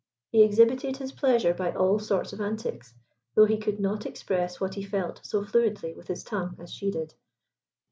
He exhibited his pleasure by all sorts of antics, though he could not express what he felt so fluently with his tongue as she did.